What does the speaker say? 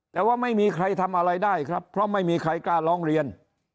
แต่ว่าไม่มีใครทำอะไรได้ครับเพราะไม่มีใครกล้าร้องเรียน